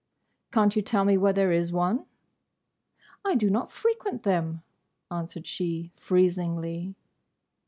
"Can't you tell me where there is one?" "I do not frequent them," answered she, freezingly.